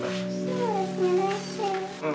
そうですね来週。